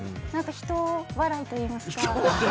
ひと笑いといいますか。